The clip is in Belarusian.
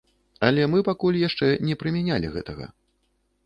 Але мы пакуль яшчэ не прымянялі гэтага.